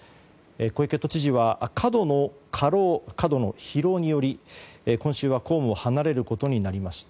小池都知事は、過度の疲労により今週は公務を離れることになりました。